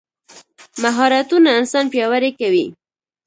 مهارتونه انسان پیاوړی کوي.